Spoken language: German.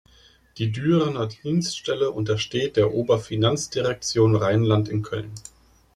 Die Dürener Dienststelle untersteht der Oberfinanzdirektion Rheinland in Köln.